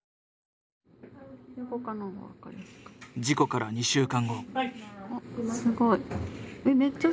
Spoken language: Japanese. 事故から２週間後。